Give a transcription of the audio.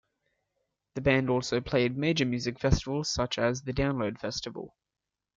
The band also played major music festivals such as the Download Festival.